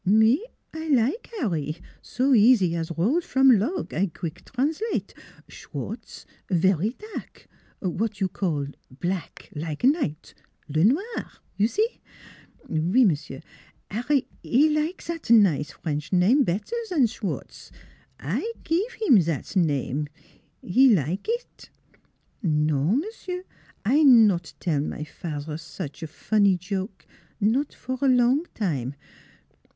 Me I like 'Arry; so easy as roll from log I queek translate: Sch wartz very dark, w'at you call black, like night Le Noir. You see ?... Oui, m'sieu' : 'Arry 'e like zat nize French name bettaire zan Sch wartz. I give heem zat name; 'e like eet. ... Non, m'sieu', I not tell my fat'er such fonnie joke not for long time.